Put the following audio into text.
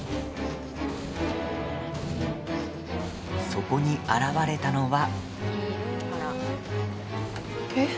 そこに現れたのは。